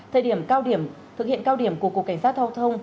thời điểm thực hiện cao điểm của cục cảnh sát giao thông